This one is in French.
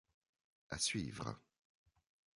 À suivre...